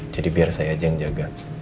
jadi biar saya aja yang jaga